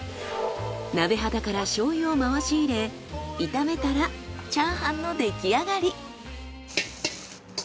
鍋肌から醤油を回し入れ炒めたらチャーハンの出来上がり。